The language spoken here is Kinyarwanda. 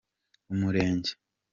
umurenge.